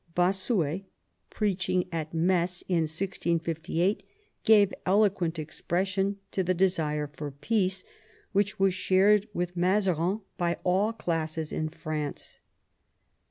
Bossuet, preach ing at Metz in 1658, gave eloquent expression to the desire for peace, which was shared with Mazarin by all classes in France.